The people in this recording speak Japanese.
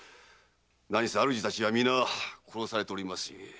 なにせ主たちは皆殺されておりますゆえ。